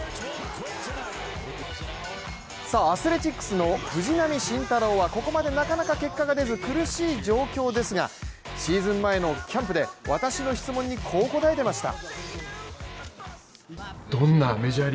アスレチックスの藤浪晋太郎はここまでなかなか結果が出ず苦しい状況ですが、シーズン前のキャンプで私の質問にこう答えていました。